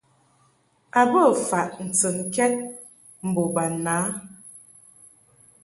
A bə faʼ ntɨnkɛd mbo bana.